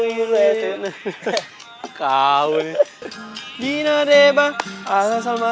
gue udah sama